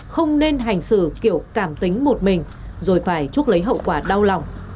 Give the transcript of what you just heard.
không nên hành xử kiểu cảm tính một mình rồi phải chuốc lấy hậu quả đau lòng